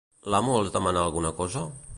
L'amo els demanà alguna cosa?